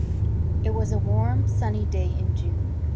X It was a warm, sunny day in June.